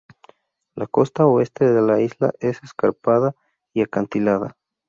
La costa oeste de la isla es escarpada y acantilada.